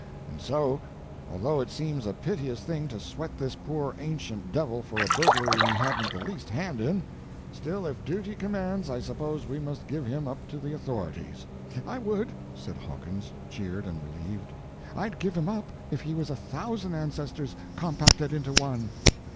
And so, although it seems a piteous thing to sweat this poor ancient devil for a burglary he hadn't the least hand in, still if duty commands I suppose we must give him up to the authorities." "I would," said Hawkins, cheered and relieved, "I'd give him up if he was a thousand ancestors compacted into one."